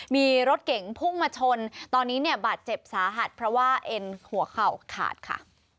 มีรถเก่งพุ่งมาชนตอนนี้เนี่ยบาดเจ็บสาหัสเพราะว่าเอ็นหัวเข่าขาดค่ะ